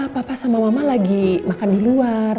papa sama mama lagi makan di luar